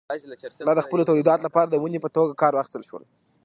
دا د خپلو تولیداتو لپاره د ونې په توګه کار واخیستل شول.